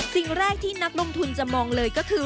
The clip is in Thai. สิ่งแรกที่นักลงทุนจะมองเลยก็คือ